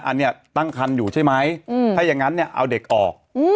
อันนี้ตั้งคันอยู่ใช่ไหมถ้าอย่างนั้นเนี่ยเอาเด็กออก